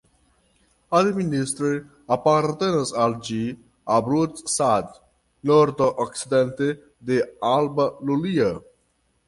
Administre apartenas al ĝi Abrud-Sat nordokcidente de Alba Iulia.